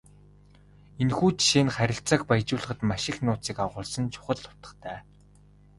Энэхүү жишээ нь харилцааг баяжуулахад маш их нууцыг агуулсан чухал утгатай.